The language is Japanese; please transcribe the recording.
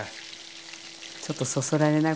ちょっとそそられない？